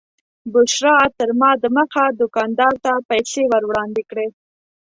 بشرا تر ما دمخه دوکاندار ته پیسې ور وړاندې کړې.